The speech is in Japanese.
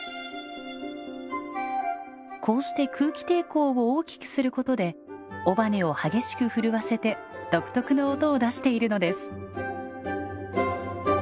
こうして空気抵抗を大きくすることで尾羽を激しく震わせて独特の音を出しているのです。